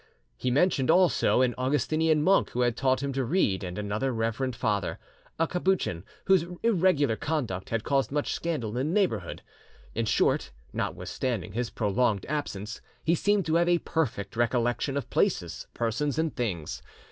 He mentioned also an Augustinian monk who had taught him to read, and another reverend father, a Capuchin, whose irregular conduct had caused much scandal in the neighbourhood. In short, notwithstanding his prolonged absence, he seemed to have a perfect recollection of places, persons, and things.